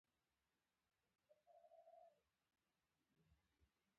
د سرو شونډو له پاسه سور پېزوان مه یادوه.